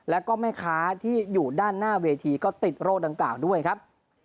แล้วก็แม่ค้าที่อยู่ด้านหน้าเวทีก็ติดโรคดังกล่าวด้วยครับ